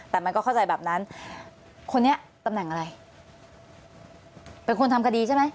แต่มันก็เข้าใจแบบนั้นคนนี้ตำแหน่งอะไรเป็นคนทำคดีใช่ไหม